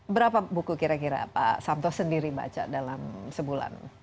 berapa buku kira kira pak santo sendiri baca dalam sebulan